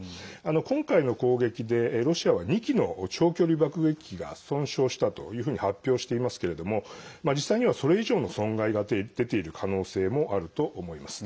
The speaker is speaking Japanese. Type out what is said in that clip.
今回の攻撃で、ロシアは２機の長距離爆撃機が損傷したというふうに発表していますけれども実際には、それ以上の損害が出ている可能性もあると思います。